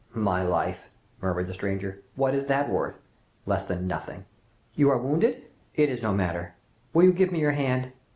"My life!" murmured the stranger. "What is that worth? Less than nothing!" "You are wounded?" "It is no matter." "Will you give me your hand?"